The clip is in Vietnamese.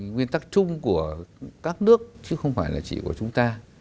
nguyên tắc chung của các nước chứ không phải là chỉ của chúng ta